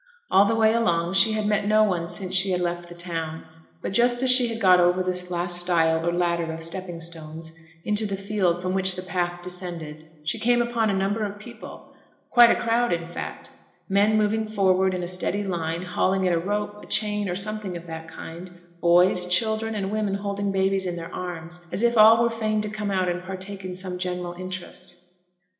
All the way along she had met no one since she had left the town, but just as she had got over the last stile, or ladder of stepping stones, into the field from which the path descended, she came upon a number of people quite a crowd, in fact; men moving forward in a steady line, hauling at a rope, a chain, or something of that kind; boys, children, and women holding babies in their arms, as if all were fain to come out and partake in some general interest.